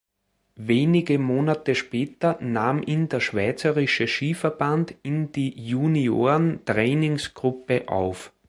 Wenige Monate später nahm ihn der Schweizerische Skiverband in die Junioren-Trainingsgruppe auf.